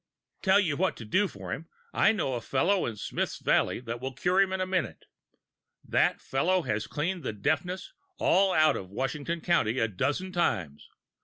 "Tell you what to do for him! I know a fellow in Smith's Valley will cure him in a minute. That fellow has cleaned the deafness all out of Washington County a dozen times.